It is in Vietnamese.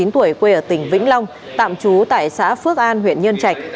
ba mươi chín tuổi quê ở tỉnh vĩnh long tạm trú tại xã phước an huyện nhân trạch